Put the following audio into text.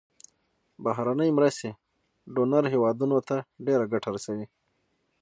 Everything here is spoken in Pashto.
بهرنۍ مرستې ډونر هیوادونو ته ډیره ګټه رسوي.